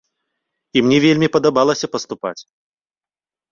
І мне вельмі падабалася паступаць!